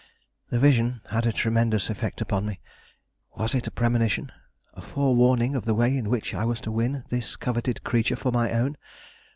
This vision had a tremendous effect upon me. Was it a premonition? a forewarning of the way in which I was to win this coveted creature for my own?